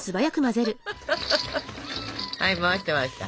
はい回して回して。